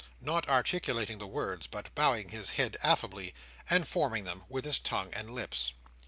Not articulating the words, but bowing his head affably, and forming them with his tongue and lips.